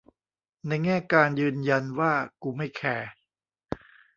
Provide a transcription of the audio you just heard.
ในแง่การยืนยันว่ากูไม่แคร์